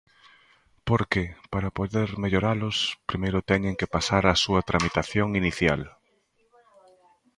Porque, para poder melloralos, primeiro teñen que pasar a súa tramitación inicial.